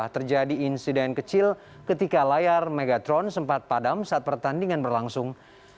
terjadi insiden kecil ketika layar megatron sempat padam saat pertandingan berlangsung